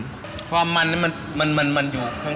รสชาติหมดเลยเพราะว่าเหมือนเครื่องเทศมันถึง